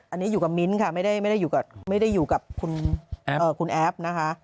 อันนี้อยู่กับมิ้นค่ะไม่ได้อยู่กับคุณแอฟนะคะ